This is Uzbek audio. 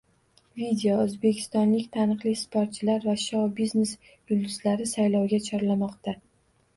Video: O‘zbekistonlik taniqli sportchilar va shou-biznes yulduzlari saylovga chorlamoqda